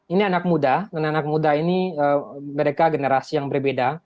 ini anak muda dan anak muda ini mereka generasi yang berbeda